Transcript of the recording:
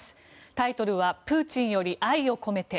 タイトルは「プーチンより愛を込めて」。